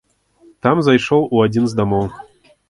Там зайшоў у адзін з дамоў.